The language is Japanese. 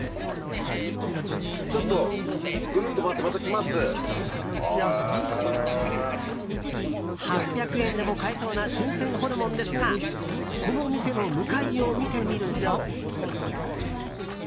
ちょっと、ぐるっと回って８００円でも買えそうな新鮮ホルモンですがこのお店の向かいを見てみると。